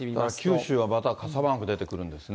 九州はまた傘マーク出てくるんですね。